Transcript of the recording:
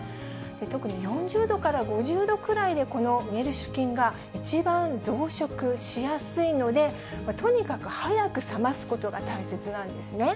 特に４０度から５０度くらいでこのウェルシュ菌が一番増殖しやすいので、とにかく早く冷ますことが大切なんですね。